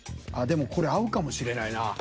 あっでもこれ合うかもしれないな。